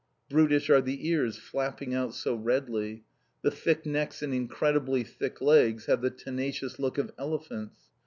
Brutish are the ears flapping out so redly. The thick necks and incredibly thick legs have the tenacious look of elephants.